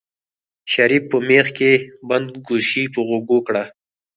شريف په مېخ کې بنده ګوشي په غوږو کړه.